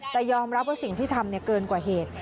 แต่ยอมรับว่าสิ่งที่ทำเกินกว่าเหตุ